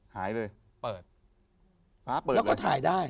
หายเลย